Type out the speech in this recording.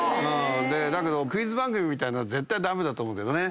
だけどクイズ番組みたいのは絶対駄目だと思うけどね。